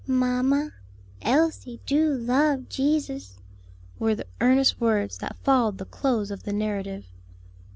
"Mamma, Elsie do love Jesus!" were the earnest words that followed the close of the narrative.